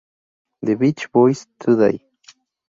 The Beach Boys Today!